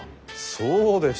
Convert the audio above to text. そうです。